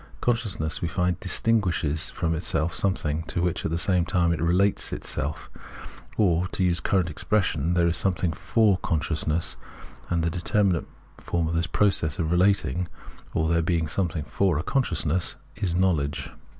Consciousness, we find, distinguishes from itself something, to which at the same time it relates itself ; or, to use the current expression, there is something for consciousness ; and the determinate form of this process of relating, or of there being something for a consciousness, is knowledge.